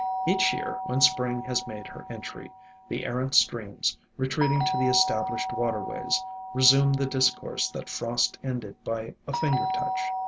Each year when Spring has made her entry, the errant streams, retreating to the established water ways, resume the discourse that frost ended by a finger touch.